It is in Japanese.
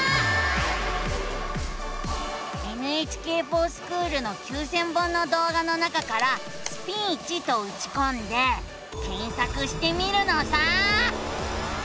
「ＮＨＫｆｏｒＳｃｈｏｏｌ」の９，０００本の動画の中から「スピーチ」とうちこんで検索してみるのさ！